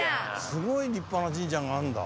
すごい立派な神社があるんだ。